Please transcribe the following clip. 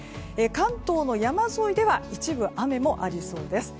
関東の山沿いでは一部、雨もありそうです。